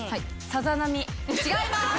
違います。